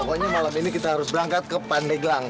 pokoknya malam ini kita harus berangkat ke pandeglang